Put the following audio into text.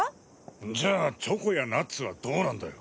んじゃチョコやナッツはどうなんだよ。